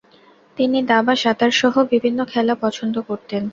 তিনি দাবা, সাঁতার সহ বিভিন্ন খেলা পছন্দ করতেন।